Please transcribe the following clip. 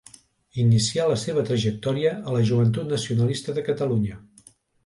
Inicià la seva trajectòria a la Joventut Nacionalista de Catalunya.